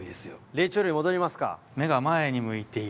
霊長類に戻りますか。